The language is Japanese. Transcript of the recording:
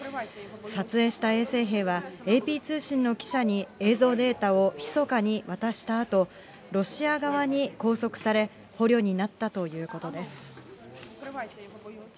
撮影した衛生兵は、ＡＰ通信の記者に映像データをひそかに渡したあと、ロシア側に拘束され、捕虜になったということです。